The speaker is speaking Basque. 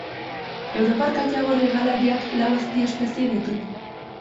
Europar katagorri hegalariak lau azpiespezie ditu.